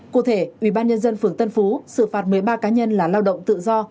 cụ thể ủy ban nhân dân phường tân phú xử phạt một mươi ba cá nhân là lao động tự do